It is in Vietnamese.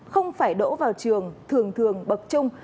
không phải đỗ vào trường thường thường bậc trung